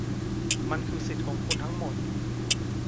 มันคือสิทธิของคุณทั้งหมด